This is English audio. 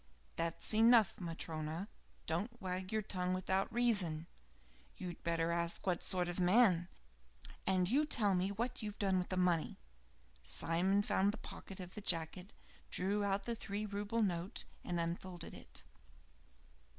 "That's enough, Matryona. Don't wag your tongue without reason. You had better ask what sort of man " "And you tell me what you've done with the money?" Simon found the pocket of the jacket, drew out the three rouble note, and unfolded it.